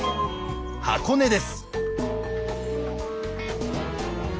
箱根です。